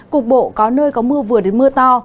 cục bộ có nơi có mưa vừa đến mưa to